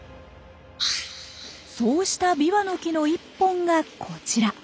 そうしたビワの木の一本がこちら。